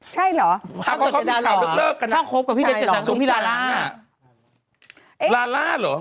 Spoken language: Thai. ใช่หรอ